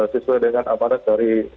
sesuai dengan amaran dari